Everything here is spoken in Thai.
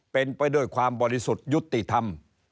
เป็นไปด้วยความบริสุทธิ์ยุติธรรม